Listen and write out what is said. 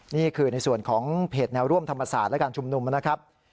นี่คือในส่วนของเพจแนวร่วมธรรมศาสตร์และการชุมนุมนะครับ